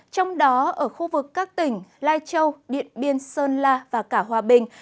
trong đó ở khu vực các tỉnh lai châu điện biên sơn la và cả hòa bình